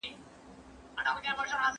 دا زيات دئ.